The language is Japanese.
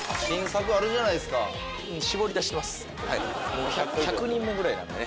もう１００人目ぐらいなんでね。